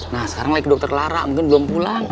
nah sekarang lagi ke dokter lara mungkin belum pulang